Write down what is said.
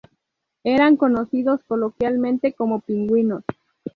Eran conocidos coloquialmente como "pingüinos".